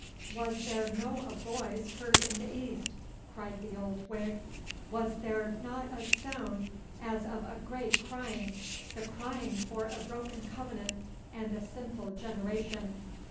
'Was there no a voice heard in the East?' cried the old Whig. 'Was there no a soond as o' a great crying, the crying for a broken covenant and a sinful generation?